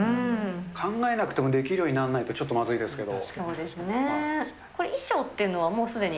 考えなくてもできるようになんないと、ちょっとまずいですけど。